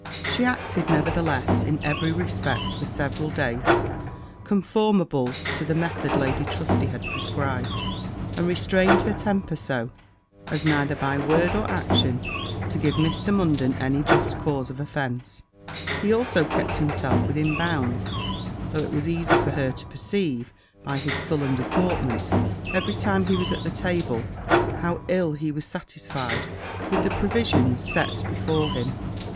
She acted, nevertheless, in every respect, for several days, conformable to the method Lady Trusty had prescribed, and restrained her temper so as neither by word or action to give Mr. Munden any just cause of offence: he also kept himself within bounds, though it was easy for her to perceive, by his sullen deportment, every time he was at table, how ill he was satisfied with the provisions set before him.